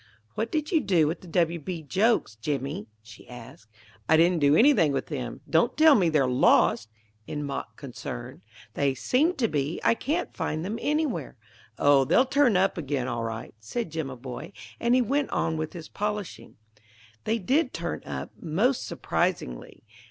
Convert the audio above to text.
"What did you do with the W. B. jokes, Jimmy?" she asked. "I didn't do anything with them. Don't tell me they're lost!" in mock concern. "They seem to be; I can't find them anywhere." "Oh, they'll turn up again all right," said Jimaboy; and he went on with his polishing. They did turn up, most surprisingly.